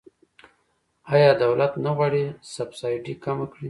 آیا دولت نه غواړي سبسایډي کمه کړي؟